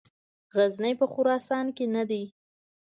غزني په خراسان کې نه دی.